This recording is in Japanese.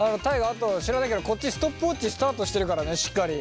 あと知らないけどこっちストップウォッチスタートしてるからねしっかり。